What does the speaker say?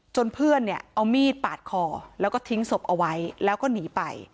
เพื่อนเนี่ยเอามีดปาดคอแล้วก็ทิ้งศพเอาไว้แล้วก็หนีไป